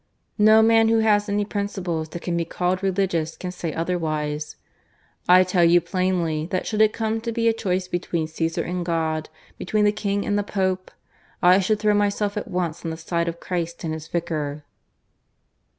No man who has any principles that can be called religious can say otherwise. I tell you plainly that should it come to be a choice between Caesar and God between the King and the Pope I should throw myself at once on the side of Christ and his Vicar.